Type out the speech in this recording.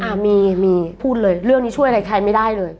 อ่ามีมีพูดเลยเรื่องนี้ช่วยอะไรใครไม่ได้เลย